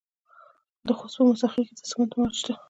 د خوست په موسی خیل کې د سمنټو مواد شته.